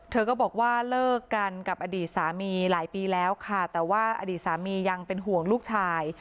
เธอก็บอกว่าเลิกกันกับอดีตสามีหลายปีแล้วค่ะแต่ว่าอดีตสามียังเป็นห่วงลูกชาย